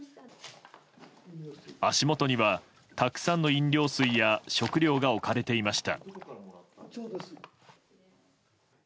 足元には、たくさんの飲料水や食料が置かれていました。